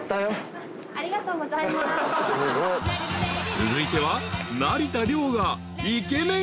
［続いては］